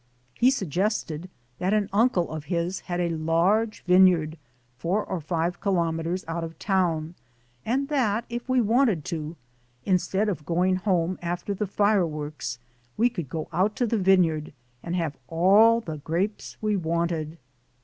He suggested that an uncle of his had a large vine yard four or five kilometers out of town, and that THE CALL OF THE SEA 41 if we wanted to, instead of going home after the fireworks, we could go out to the vineyard and have all the grapes we wanted.